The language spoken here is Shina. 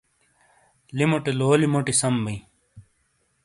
لِیموٹے لولی موٹی سَم بیں۔